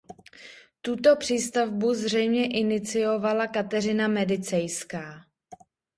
Tuto přístavbu zřejmě iniciovala Kateřina Medicejská.